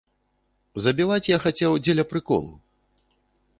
Забіваць я хацеў дзеля прыколу.